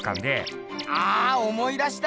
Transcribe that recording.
あ思い出した！